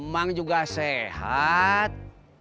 emang juga sehat